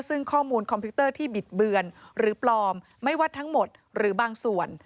ซึ่งข้อมูลคอมพิวเตอร์ที่บิดเบือนหรือปลอมไม่วัดทั้งหมดหรือบางส่วน